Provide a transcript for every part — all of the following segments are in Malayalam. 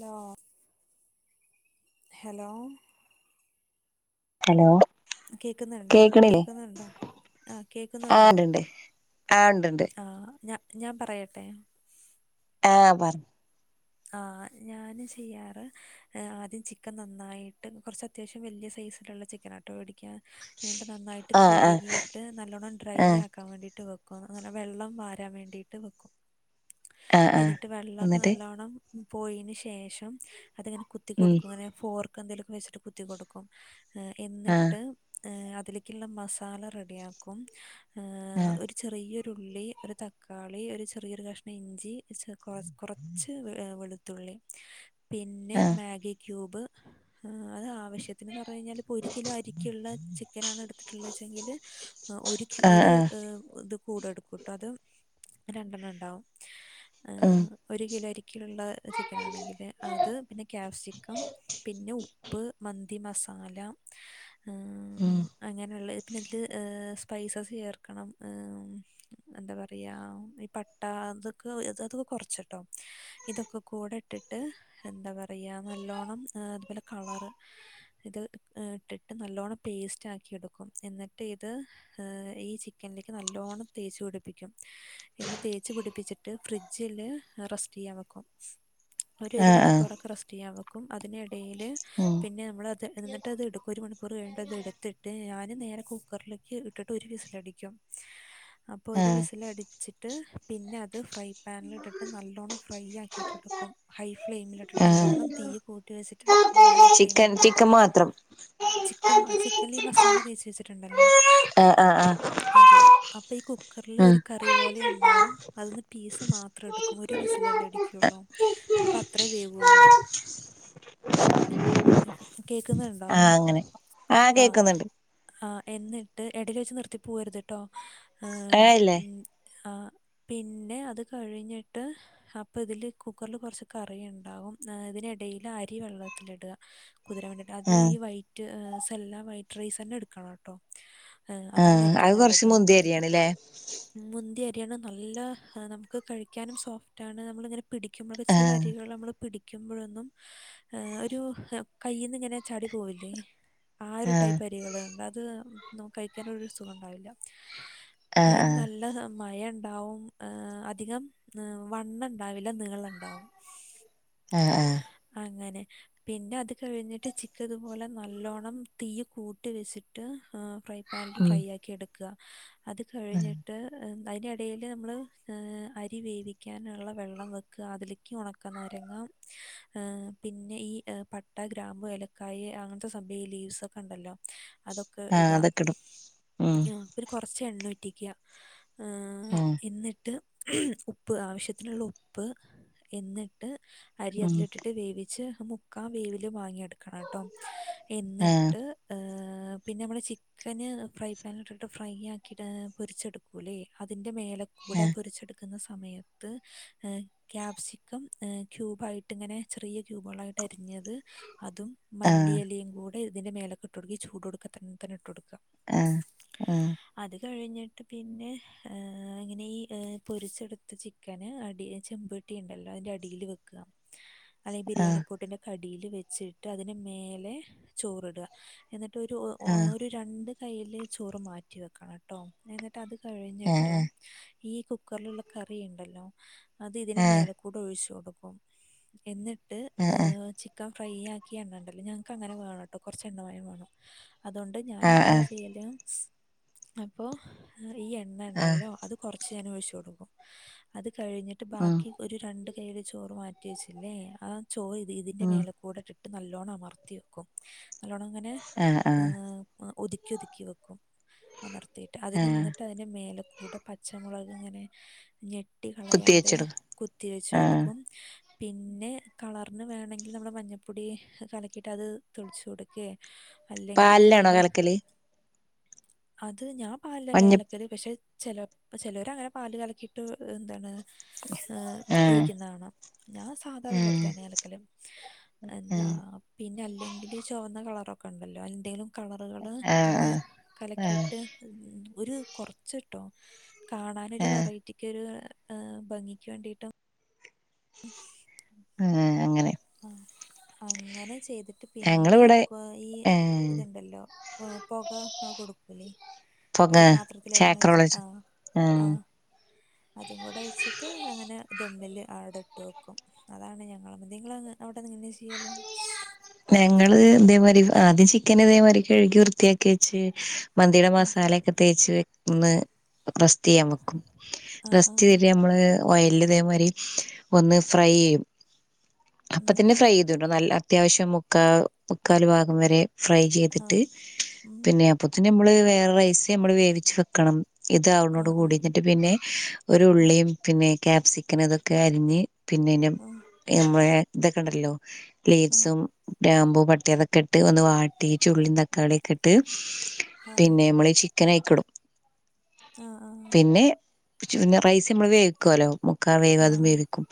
ഹലോ ഹലോ ഹലോ കേക്കുന്നുണ്ടോ കേക്കണില്ലേ കേക്കുന്നുണ്ടോ ആ ആ കേക്കുന്നുണ്ടോ ഉണ്ട്ണ്ട് ആ ഇണ്ട്ണ്ട് ആ ഞാൻ ഞാൻ പറയട്ടെ ആ പറി ആ ഞാന് ചെയ്യാറ് ആദ്യം ചിക്കൻ നന്നായിട്ട് കുറച്ച് അത്യാവശ്യം വലിയ സൈസി- ലുള്ള ചിക്കൻ ആട്ടോ വേടിക്കൽ എന്നിട്ട് നന്നായിട്ട് ആ ആ കഴികിയിട്ട് നല്ലോണ്ണം ഡ്രൈ ആ ആക്കാൻ വേണ്ടിയിട്ട് വെക്കു ക്കും വെള്ളം വാരാൻ വേണ്ടീട്ട് വെക്കും ആ ആ എന്നിട്ട് വെള്ളമൊക്കെ എന്നിട്ട് നല്ലോണ്ണം പോയീന് ശേഷം അത്ങ്ങനെ കുത്തി ഉം കൊടുക്കും അങ്ങനെ ഫോർ ക്ക്എന്തേലുമൊക്കെ വെച്ചിട്ട് കുത്തി കൊടുക്കും ആ എന്നിട്ട് ഹേ അതിലേക്ക് ഉള്ള മസാല റെഡിയാക്കും ഹേ ആ ഒരു ചെറിയെരു ഒരുള്ളി ഒരു തക്കാളി ഒരു ചെറിയൊരു കഷ്ണം ഇഞ്ചി ചെർ കൊറ കൊറച്ച് വെ വെളുത്തുള്ളി പിന്നെ ആ മാഗി ക്യൂബ് അത് ആവശ്യത്തിന്‌ന്ന് പറ കഴിഞ്ഞാൽഇപ്പോഒരു കിലോ അരിരിക്കുള്ള ചിക്കനാണ് എടുത്തിട്ടുള്ളത് വെച്ചെങ്കിൽ ഒരു കി ആ ഒരുഇ ആ ഇത് കൂടെടുക്കുംട്ടോ അത് രണ്ടെണ്ണം ഉണ്ടാവും ഉം ഒരു കിലോ അരിക്ക് ക്കുള്ള ചിക്കൻ ആണെങ്കിൽ അത് പിന്നെ കാപ്സിക്കം പിന്നെ ഉപ്പ് മന്തി മസാ സാല ഹ് ഉം അങ്ങനെയുള്ള ന്നട്ട് ഹ് സ്പൈസസ് ചേർക്കണം ഹ്എന്താ പറയപ ഈ പട്ട അതൊക്കെ അത് അത്ക്കെ കൊറച്ച്ട്ടോ ഇതൊക്കെ കൂടെ ഇട്ടിട്ട് എന്താ പറയാ നല്ലോണ്ണം അതുപോലെ കളർ ഇത് ഹ്ഇട്ടിട്ട് നല്ലോണം പേസ്റ്റാക്കി എടുക്കും എന്നിട്ട് ഇത് ഈ ചിക്കനിലേക്ക് നല്ലോണം നല്ലോണ്ണം തേച്ചു പിടിപ്പിക്കും എന്ന് തേച്ച്പിടിപ്പിച്ചിട്ട് ഫ്രിഡ്ജില് റെസ്റ്റ് ചെയ്യാൻ വെക്കും ക്കും ഒരു ഒരു ആ ആ മണിക്കൂറൊക്കെ റസ്റ്റ് ചെയ്യാൻ വെക്കും അതിനിടയിൽ ഉം പിന്നെ നമ്മൾ അത് എന്നിട്ട് അത് എടുക്കും ഒരു മണിക്കൂർ കഴിഞ്ഞിട്ട്അത് എടുത്തിട്ട് ഞാൻ നേരെ കുക്കറിലേക്ക് ഇട്ടിട്ട് ഒരു വിസിലടിക്കും [inaudible] അപ്പൊ ഒരു ആ വിസില അടിച്ചിട്ട് പിന്നെ അത് ഫ്രൈ പാനിലിട്ടിട്ട് നല്ലോണ്ണം ഫ്രൈ ആക്കിയിട്ടെടുക്കും ഹൈ ഫ്ലെയിമിലിട്ട് ആ നല്ലോണ്ണം തീ കൂട്ടി വെച്ചിട്ട് ഹൈ ചിക്കൻ ഫ്ലെയിമിലിട്ട് ചിക്കൻ വെക്കും മാത്രം ചിക്കംചിക്കൻലി ഈ മസാല തേച്ച് വെച്ചിട്ട്ണ്ടല്ലോ ആ ആ ആ അത് അപ്പെ ഇ കുക്കറില് ഉം ഒരു കറി പോലെ ഇണ്ടാവും അത് ന്ന് പീസ് മാത്രം എടുക്കും ഒരു വിസി ല്ലേ ഇടിക്കുള്ളൂ അപ്പൊ അത്രേ വേവുള്ളൂ കേക്കുന്നുണ്ടോ ആ അങ്ങനെ ആ ആ എന്നിട്ട് എടീൽ വെച്ച് നിർത്തി പോവരുത്ട്ടോ മഴ ഇല്ലേ ആഹ് പിന്നെ അത് കഴിഞ്ഞിട്ട് അപ്പതില് കുക്കറില് കൊറച്ച് കറിയുണ്ടാവും ഇതിനിടയില് അരി വെള്ളത്തിലിടുക കുതിരവേണ്ടിട്ട് അത് ആ ഈ വൈറ്റ് സെല്ലാം വൈറ്റ് റൈസ് തന്നെ എടുക്കണട്ടോ ആഹ് ആ അതാണ് ഏറ്റോം അത് കൊറച്ച് നല്ലത് മ മുന്തിയ മന്തിക്ക് അരിയാണ്ല്ലേ മുന്തിയെ റ്റിയാണ് നല്ല നമ്മുക്ക് കഴിക്കാനും സോഫ്റ്റാണ് മ്മള് ഇങ്ങനെ പിടിക്കുമ്പളൊക്കെ ആ ചെല അരികള് മ്മള് പിടി ക്കുമ്പഴൊന്നും ഏഹ് ഒരു കയ്യിന്നിങ്ങനെ ചാടി പോവില്ലേ ആ ഒരു ടൈപ്പ് അരികളുണ്ട് അത് നൊ കഴിക്കാൻ ഒരു സുഖണ്ടാവില്ല ആ ഇത് ആ നല്ല മയണ്ടാവുംഏഹ് അധികം വണ്ണണ്ടാവില്ല നീളണ്ടാവും ആഹ് ആഹ് പിന്നെ അത് കഴിഞ്ഞിട്ട് ചിക്ക് ഇതു പോലെ നല്ലോണം തീയ് കൂട്ടിവെച്ചിട്ട് ആഹ് ഫ്രൈ പാനില് ഉം ഫ്രൈയാക്കിയെടുക്ക അത് കഴിഞ്ഞിട്ട് അയിനെടേല് നമ്മള് അരിവേവി ക്കാനുള്ള വെള്ളം വെക്ക അതിലേക്ക് ഉണക്ക നാരങ്ങ പിന്നെ ഈ പട് ട്ട ഗ്രാമ്പൂ ഏലക്കായ് അങ്ങനത്തെ സഭയ് ലീവ്സ് ഒക്കെ ഒണ്ടല്ലോ അതൊക്കെ ആ ഇട്ക അതൊക്കെ ഇടും ഉം അഹ് കൊറച്ച് എണ്ണ ഉറ്റിക്ക ഏഹ് ആ എന്നിട്ട് ഉപ്പ് ആവശ്യത്തിനുള്ള ഉപ്പ് എന്നിട്ട് അരി ഉം അതിലിട്ടിട്ട് വേവിച്ച് മുക്കാ വേവില് വാങ്ങിയ ട്ക്കണട്ടോ എന്നിട്ട് ഏഹ് പിന്നെ മ്മള് ചിക്കന് ഫ്രൈ പാനിലിട്ടിട്ട് ഫ്രൈ ആക്കിയിട്ട് അ പൊരിച്ചെടുക്കൂലെ അതി ന്റെ മേലെക്കൂടെ പൊരിച്ചെടുക്കുന്ന സമയ ത് ക്യാപ്സിക്കം ഏഹ് ക്യൂബായിട്ട് ഇങ്ങനെ ചെറിയ ക്യൂബോളായിട്ട് അരിഞ്ഞത് അതും മല്ലിയെലേം കൂടെ ഇതിന്റെ മേലക്ക് ഇട്ട് കൊടുക്ക ഈ ചൂടോട്ക്ക ത തന്നെ ഇട്ട്വൊട് ആഹ് ആഹ് കഴിഞ്ഞിട്ട് പിന്നെ ഏഹ് അങ്ങനെ ഈ പൊരിച്ചെടുത്ത ചി ക്കന് അടി ചെമ്പെട്ടിയിണ്ടല്ലോ അതിന്റെ അടീല് വെക്ക അല്ലെ ബിരിയാണി പോട്ടിന്റെ ക്ക ടീല് വെച്ചിട്ട് അതിന് മേലെ ചോറിട എന്നിട്ട് ഒരു ഒ ഒര് രണ്ട് കയ്യില് ചോറ് മാറ്റി വെക്കണട്ടോ എന്നിട്ട് അത് കഴിഞ്ഞിട്ട് ഈ കുക്കറില്ള്ള കറി ഇണ്ടല്ലോ അത് ഇതിന് മേലെക്കൂടെ ഒഴിച്ചു കൊടു ക്കും എന്നിട്ട് ഈഹ് ചിക്കം ഫ്രൈ ആക്കിയ എണ്ണണ്ടല്ലോ ഞങ്ങക്ക് അങ്ങനെ വേണട്ടോ കൊറച്ച് എണ്ണമയം വാണം അതോണ്ട് ഞാൻ അങ്ങനെ ചെയ്യല് അപ്പോ ഹ് ഈ എണ്ണണ്ടല്ലോ അത് കൊറച്ച് ഞാൻ ഒഴിച്ചു കൊടുക്കും. അത് കഴിഞ്ഞിട്ട് ബാക്കി ഒരു രണ്ട് കയ്ല് ചോറ് മാറ്റി വെച്ചില്ലേ ആ ചോറ് ഇത് ഇതിന്റെ മേലെകൂടെ ട്ട് ട്ട് നല്ലോണം അമർത്തി വെക്കും നല്ലോണം ഇങ്ങനെ ഏഹ് ഒതുക്കി ഒതുക്കി വെക്കും. അമർത്തിയിട്ട് അതിന് ഇന്ന്ട്ട് അതിന്റെ മേലെ കൂടെ പച്ചമുളക് ഇങ്ങനെ ഞെ ട്ടി കളയാതെ കുത്തിവെച്ചിടും കുത്തി വെച്ചു കൊടുക്കും പിന്നെ കളർന് വേണെങ്കിൽ നമ്മടെ മഞ്ഞപ്പൊടി കലക്കിയിട്ട് അത് തെളിച്ച് കൊടുക്കേ പാലിലാണോ കലക്കല് അത് ഞാൻ പാലിലല്ല മഞ്ഞ കലക്കല് പക്ഷെ ചെലോ ചെലോരങ്ങനെ പാലില് കലക്കിയിട്ട് ഇഹ് ന്താണ് ഈഹ് ആഹ് ഒഴിക്കുന്നാണാം ഞാൻ സാധാ ആഹ് വെള്ളത്തിലന്നെ അലക്കല് ആഹ് എന്താ പിന്നെ അല്ലെങ്കില് ചൊവന്ന കളറോ ക്കണ്ടല്ലോ അൽ ന്തേലും കളറ്കള് ഒന്ന് ആഹ് ആഹ് ആഹ് കലക്കിയിട്ട് [unintelligible] ഒര് കൊറച്ച്ട്ടോ കാണാനൊരു ആഹ് വെറൈറ്റി ര് ഭംഗിക്ക് വേണ്ടിട്ടും- ഏഹ് അങ്ങനെ- ആഹ് അങ്ങനെ ചെയ്ത് - ട്ട് പിന്നെ ഞങ്ങളിവിടെ ഈ ഇതുണ്ടല്ലോ പൊക കൊടുക്കൂലേ പൊങ്ങ ഒരു പാത്രത്തില് എണ്ണ ചാക്രോള ഒഴിച്ചിട്ട് ആഹ് ആ ആഹ് അതും കൂടെ വെച്ചിട്ട് അങ്ങനെ ദമ്മിൽ ഔടെ ഇട്ട് വെക്കും അതാണ് ഞങ്ങള നിങ്ങ [unintelligible] അവിടെ [unintelligible] ഞങ്ങള് ഇതേമാതിരി ആദ്യം ചിക്ക ചൻ ഇതേമാതിരി കഴുകി വൃത്തിയാക്കി വെച്ച് മന്തിയുടെ ആഹ് മസാലൊക്കെ തേച്ച് ഒന്ന് റസ്റ്റ് യ്യാൻ വെക്കും ആഹ് റസ്റ്റ് ആഹ് തരി നമ്മള് ഓയല് ഇതേമാരി ഒന്ന് ഫ്രൈ എയ്യും അപ്പ ഉം തന്നെ ഫ്രൈ ചെയ നല്ല അത്യാവശ്യം മുക്കാ മുക്കാൽ ഭാഗം വരെ ഫ്രൈ ആഹ് ചെയ്തിട്ട് ഉം പിന്നെ അപ്പോത്തിനും നമ്മള് വേറെ റൈസ് നമ്മള് വേവിച്ച് വെക്കണം ഇത് ആവ്ണോട് ആഹ് കൂടി ഞ്ഞിട്ട് പിന്നെ ഒരു ഉള്ളിയും പിന്നെ ക്യാപ്സിക്കൻ അതൊക്കെ അരിഞ്ഞ് പിന്നെന് ആഹ് നമ്മെയെ ഇതൊക്കെ ഇണ്ടല്ലോ ആഹ് ലീവ്സും ഗ്രാമ്പൂ പട്ടി അതൊക്കെ ഇട്ട് ഒന്ന് വാട്ടി ചുള്ളിം തക്കാളിയൊക്കെ ഇട്ട് ആഹ് പിന്നെ നമ്മള് ക്കനയിക്ക്ടും ആഹ് ആഹ് പിന്നെ റൈസ് അമ്മള് വേവിക്കോലോ മുക്കാ വേവാ [unintelligible] അതും ആഹ് വേവിക്കും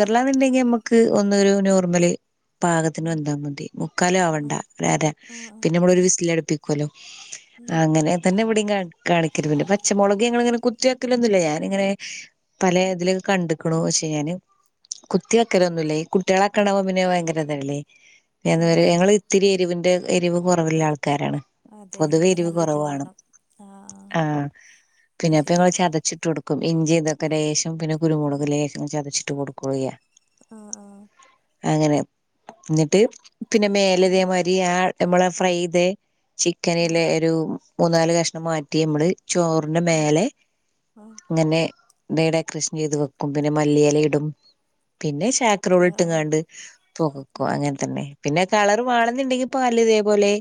ആഹ് ആഹ് ആഹ് നമുക്ക് ന്നൊരു നോർമല് പാകത്തിന് വെന്താ മതി മുക്കാലൊവണ്ടാ ആഹ് വേതെ ആഹ് ആഹ് പിന്നെ നമ്മളൊരു ആഹ് വിസ് ലടുപ്പിക്കുവല്ലോ ഉം അങ്ങനെ തന്നെ ഇവിടീം കാ കാണിക്ക പിണ്ട് പച്ചമുളക് ഞങ്ങളി ഇങ്ങനെ കുത്തിവക്കൊലൊന്നുല്ല ഞാനിങ്ങനെ പല ഇതിൽ കണ്ട്ക്ക്ണു ഷെ ഞാൻ കുത്തിക്കലൊന്നുല്ല ഈ കുട്ട്യേള ണവ പിന്നെ വയങ്കര ഇതല്ലേ പി ആഹ് ആഹ് ഞങ്ങള് ഇത്തിരി എരിവിന്റെ എരിവ് കുറവില്ല ആ ക്കാരാണ് അതെ പൊതുവെ ഇവിടെ എരിവ് നല്ല കൊറവാണ് വേണം ആഹ് ആഹ് അത് പിന്നെപ്പ ശരി ങ്ങള് ചതച്ചിട്ട് കൊടുക്കും ഇഞ്ചി ഇതൊക്കെ രേശം പിന്നെ കുരുമുളക് ലേശം ചതച്ചിട്ട് കൊടുക്കു [unintelligible] യാ ആഹ് ആഹ് അങ്ങനെ ന്നിട്ട് പിന്നെ ആഹ് മേലതേമായ്രി ആഹ് നമ്മളെ ഫ്രൈ യ്ത ചിക്കനിലെ ആഹ് ഒരു മൂന്നാല് കഷ്ണം മാറ്റി നമ്മള് ചോറിന്റെ ആഹ് മേലെ ആഹ് ങ്ങനെ തേടെ കൃഷ് [unintelligible] എയ്ത് വെക്കും പിന്നെ മല്ലി എല ഇടും പിന്നെ ആഹ് ആഹ് ശാക്രൂള്ട്ട് ആഹ് ക്കാണ്ട് പൊകക്കും ഉം അങ്ങൻ തന്നെ പിന്നെ കളർ വാണന്നുണ്ടെങ്കി പാലു ഇതേപോലെ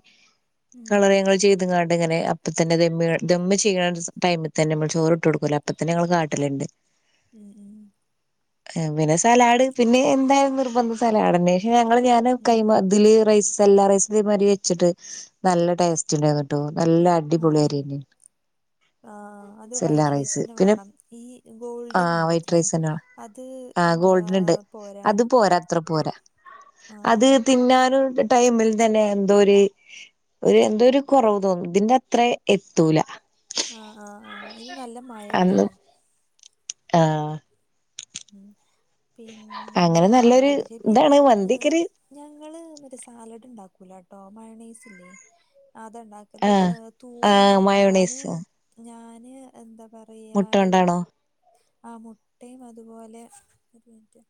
ഉം കളർങ്ങൾ ചെയ്തു കാണ ങ്ങനെ അപ്പ തന്നെ ദമ്മ ദമ്മി ചെയ്യണ ടൈമ് തന്നെ നമ്മൾ ചോറി ഇട്ട് കൊടുക്കൂല്ല അപ്പ തന്നെ ഞ കാട്ടിലുണ്ട് ഉം ഉം പിന്നെ സലാഡ് പിന്നെ എന്തായാലും നിർബന്ധ സലാഡ്ല്ലേ ങ്ങള് ഞാന് കൈ ഉം തില് റൈസ് എല്ലാ റൈസ്ല് മായ്രി വെച്ചിട്ട് നല്ല ടേസ്റ്റ് ഉണ്ടായിന്നിട്ട് നല്ല ആഹ് അടിപൊളിയറനീ ആഹ് അത് വൈറ്റ് റൈസന്നെ പിന്നെ വേണം ഈ ആ ഗോൾഡൻ വൈറ്റ് ഉണ്ട്ത്രേ റൈസ് തന്നെയാണ് അത് ആ എന്താ ഗോൾഡൻ ഇണ്ട് അത് പോരാന്ന് പോരാ അത്ര പോരാ ആഹ് അത് ആഹ് തിന്നാനും ടൈമിൽ തന്നെ എന്തോ ഒരു ഒരു എന്തോ ഒര് കൊറവ് തോന്നും ഇതിന്റെ അത്ര എത്തൂല ആഹ് ആഹ് ആഹ് ഇത് നല്ല മഴ ഇണ്ടാവും ആഹ് ഉം പിന്നെ അങ്ങനെ നല്ലൊരു അത് ശ പിന്നെ ഇതാണ് മന്തിക്കൊരു ഞങ്ങള് മറ്റെ സാലഡ് ഉണ്ടാക്കും കുലടോം മയോണേസില്ലേ അത്ണ്ടാക്കല് ആ പക്ഷേ ആ തൂമ് ഞാന് മയോണൈസ് ഞാന് എന്താ പറയാ മുട്ട ഈ കൊണ്ടാണോ ആ മുട്ടയും അതുപോലെട് [unintelligible]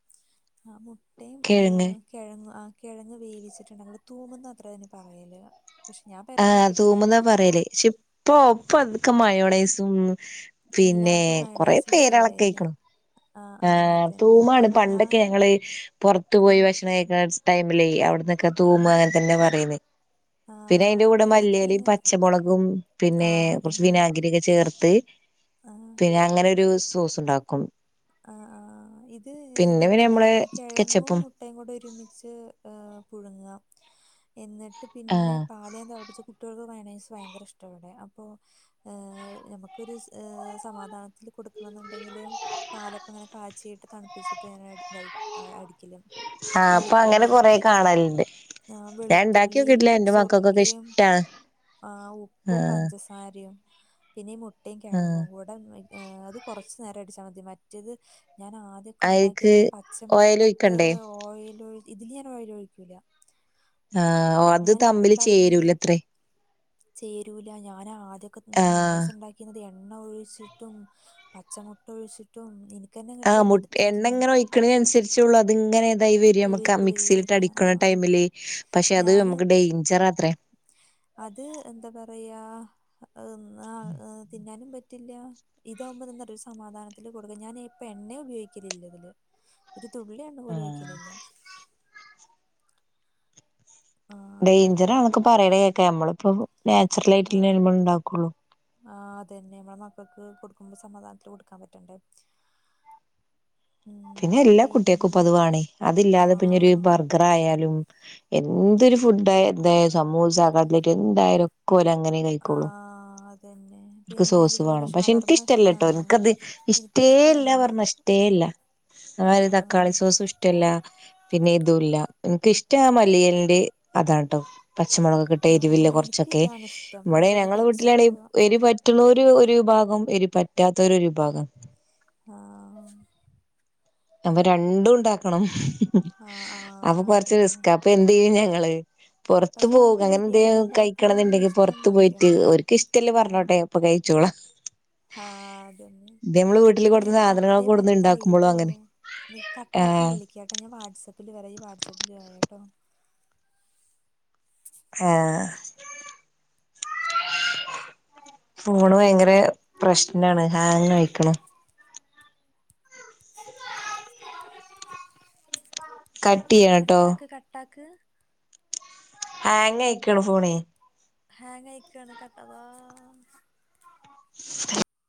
ആ കിഴങ്ങ് കെഴങ്ങ് ആ കിഴങ്ങ് വേവിച്ചിട്ടുണ്ടങ്കൾ തൂമന്നത്ര അതിന് പറ് യല് ആഹ് തൂമ് ന്നാ പറയലേ പക്ഷെ ഇപ്പൊപ്പൊ അതക്കെ മയോണൈസും പിന്നെ എല്ലാതും കൊറെ മയണൈസിലേക്ക് വേയില്ലേ പേരളക്കെയിക്കണം ആ ആ ആഹ് അതന്നെ തൂമാണ് പണ്ടൊക്കെ ഞാൻ ഞങ്ങള് പൊർത്ത് ത്തു ആ പോയി ഭക്ഷണം കഴിക്കണ ടൈമിലായി അവിടന്നൊക്കെ ആ തൂമ് അങ്ങനൊതന്നെ പറയല് ആ പിന്നെ അയിന്റെ കൂടെ ഇത് മല്ലയിലേം ഇങ്ങനത്തെ പച്ചമുളകും ആ പിന്നെ കുറച്ച് അതന്നെ വിനാഗിരി ഒക്കെ ചേർത്ത് ആ പിന്നെ അങ്ങനെ ഒരു സോസ് ഉണ്ടാക്കും ആഹ് ആഹ് ഇത് പിന്നെ ഇങ്ങനെ പിന്നെ തന്നെ നമ്മള് കിഴങ്ങും കെച്ചപ്പും മുട്ടയും കൂടെ ഒരുമിച്ച് പുഴുങ്ങുക എന്നിട്ട് പിന്നെ ആഹ് പാലയം തെളപ്പിച്ച കുട്ടികൾക്ക് മയോണയ്സ് ഭയങ്കര ഇഷ്ടാവിടെ അപ്പോ നമുക്കൊരു സമാധാനത്തിൽ കൊടുക് ന്ന്ണ്ടെങ്കിൽ പാലൊക്കെ അങ്ങനെ കാച്ചീട്ട് തണുപ്പിച്ചിട്ട് അങ്ങനെ ഇതായി അടി ആഹ് അപ്പൊ അങ്ങനെ കൊറേ കാണലുണ്ട് ഞാൻ ഉണ്ടാക്കി വെളുത്തുള്ളിയും നോക്കിട്ടില്ല എന്റെ മക്കൾക്കൊക്കെ ഇഷ്ടാ ആഹ് ഉപ്പും പഞ്ചസാരയും പിന്നെ ഈ മുട്ടയും ആഹ് കിഴങ്ങും കൂടെ അത് കൊറച്ചു നേരം അടിച്ചാൽ മതി മറ്റേത് ഞാൻ ആദ്യൊക്കെ അയ്ക്ക് ഉണ്ടാക്കിയത് പച്ചമുട്ട ഓയൽ ഇട്ട് ഒഴിക്കണ്ടേ ഓയിൽ ഒഴി ഇതില് ഞാൻ ഓയിൽ ഒഴിക്കൂല്ല ആഹ് അത് തമ്മില് ഉണ്ടാക്കണേൽ ചേരൂലത്രേ ചേരൂല ഞാനാ ആദ്യമൊക്കെ ആഹ് മയോണീസ് ഉണ്ടാക്കീനതേ എണ്ണ ഒഴിച്ചിട്ടും പച്ചമുട്ട ഒഴിച്ചിട്ടും ഇനി ആഹ് മുട്ട എണ്ണ ഇങ്ങനെ ഒഴിക്കുന്നതിനനുസരിച്ചുള്ളൂ അത് ഇങ്ങനെരിതായി വരി കുറുകി നമ്മക്ക് കുറുകി വരിക ആ മിക്സിയിലിട്ടടിക്കണ ടൈമില് പക്ഷെ അത് ഞാന് നമുക്ക് ഡൈഞ്ചറാത്രേ അത് എന്താ പറയാ ന്ന ആ തിന്നാനും പറ്റ റ്റില്ലാ ഇതാകുമ്പന്നൊരു സമാധാനത്തിൽ കൊടുക്ക ഞാൻ ഇപ്പ എണ്ണ ഉപയോഗിക്കലില്ല ഇതില് ഒരു തുള്ളി എണ്ണ പോലും ഒയ്ക്കലില്ല ആ അങ്ങനെ ഡേഞ്ചറാന്നൊക്കെ പറയണ കേക്ക നമ്മളിപ്പോ നാച്ചുറൽ ആ ആയിട്ടല്ലേ നമ്മൾ ഉണ്ടാക്കുള്ളു ആ അതന്നെ നമ്മളെ മക്കൾക്ക് കൊടുക്കുമ്പോൾ സമാധാനത്തിൽ കൊടുക്കാൻ പറ്റണ്ടേ ഉം പിന്നെ എല്ലാ കുട്ടികൾക്കും പിന്നെ ഇപ്പത് വേണേ അതില്ലാതെ പിന്നൊരു ആ ബർഗർ ആയാലും എന്തൊരു ഫുഡ എന്തായ സമൂസ കട്ട്ലറ്റ് എന്തായാലും ഓര് അങ്ങനെ ആ കഴിക്കോളൂ അതന്നെ ഓൽക്ക് പിന്നെ സോസ് അതുപോലെ വേണം പക്ഷെ ഷവർമ്മ എനിക്കിഷ്ടല്ലട്ടോ ഇഷ്ടാണ് എനിക്കത് ഇഷ്ടേയല്ല എനിക്കിഷ്ടാണ് പറഞ്ഞ ഇഷ്ടേയല്ല ആ ഒരു തക്കാളി സോസും ഇഷ്ടല്ല പിന്നെ ഇതും ഇല്ല എനിക്കിഷ്ട ആ മല്ലിയലിന്റെ അതാണ്ട്ട്ടോ പച്ചമുളകൊക്കേട്ട് ആ എരിവില്ല എനിക്ക് കുറച്ചൊക്കെ ഇതാണ് ഇഷ്ടം ഇവിടെ അതുപോലെ ഞങ്ങളെ വീട്ടിലാണ് കെച്ചപ്പ് എരി പറ്റുണോരു ഒരു വിഭാ ഗം എരി പറ്റാത്ത ഒരു വിഭാഗ ആഹ് അപ്പൊ രണ്ടും ഉണ്ടാക്കണം ആ ആ അപ്പൊ കൊറച്ച് അതന്നെ റിസ്ക് അപ്പൊ എന്ത് ചെയ്യും ഞാ ങ്ങള് പൊറത്ത് പക്ഷെ പോകും ഞങ്ങക്ക് അങ്ങനെന്തങ്കി കഴിക്കണ ബിരിയാണിനെക്കാട്ടിലും എന്നുണ്ടെങ്കിൽ ഇഷ്ടം പുറത്തു പോയിട്ട് മന്തിയാണ് ഒർക്ക് ഇഷ്ടല്ലെ പറഞ്ഞോട്ടെ അപ്പൊ കഴിച്ചോളാ ആഹ് അതന്നെ വീട്ടിൽ പിന്നെ കൊടുന്ന പത്തേ സാധനങ്ങളൊക്കെ കൊടുന്ന് ഉണ്ടാക്കുമ്പോളും പത്തായിട്ടോ അങ്ങനെ കട്ടാക്കി ആഹ് വിളിക്കാട്ടോ ഞാൻ വാട്സാപ്പില് വരാ ഈ വാട്സാപ്പില് വായോട്ടോ ആഹ് ഫോണ് ഭയങ്കര പ്രശ്നാണ് ഹാങ് ആയ്‌ക്ക്ണ് കട് കട്ടാക്ക് കട്ടാക്ക് ഹാങ്ങയിക്കണ് ഫോണേ ഹാങ്ങായിക്കാണ് കട്ടതാ [inaudible]